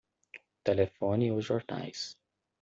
Telefone os jornais.